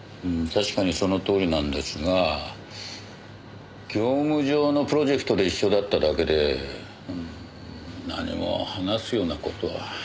うん確かにそのとおりなんですが業務上のプロジェクトで一緒だっただけで何も話すような事は。